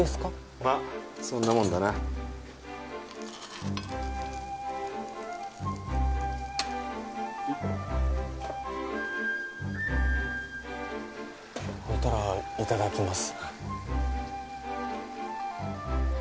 まッそんなもんだなはいほいたらいただきます